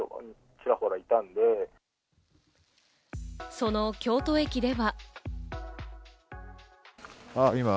その京都駅では。